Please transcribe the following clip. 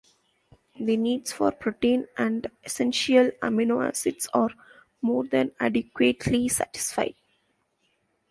The needs for protein and essential amino acids are more than adequately satisfied.